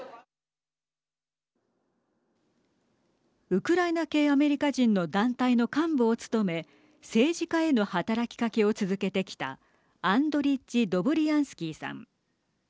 ウクライナ系アメリカ人の団体の幹部を務め政治家への働きかけを続けてきたアンドリッジ・ドブリアンスキーさん。